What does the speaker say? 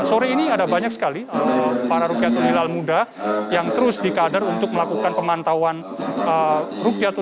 sore ini ada banyak sekali para rukiatul hilal muda yang terus dikader untuk melakukan pemantauan rukiatul hilal